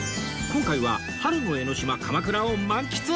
今回は春の江の島鎌倉を満喫！